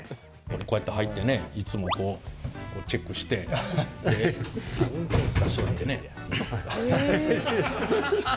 こうやって入ってねいつも、こうチェックしてで、座ってね。